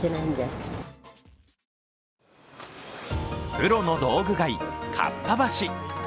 プロの道具街、かっぱ橋。